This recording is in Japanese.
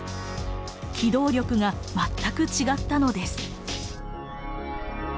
機動力が全く違ったのです。